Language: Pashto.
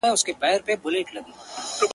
ویل زه مي خپل پاچا یم را لېږلی -